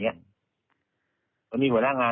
เพราะว่าตอนแรกมีการพูดถึงนิติกรคือฝ่ายกฎหมาย